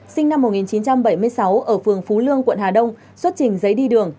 sinh năm một nghìn chín trăm bảy mươi sáu ở phường phú lương quận hà đông xuất trình giấy đi đường